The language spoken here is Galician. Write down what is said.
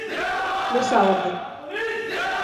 Nesa orde.